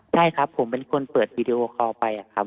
ใช่ครับผมเป็นคนเปิดวีดีโอคอลไปครับ